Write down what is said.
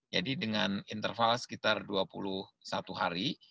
jadi dengan interval sekitar dua puluh satu hari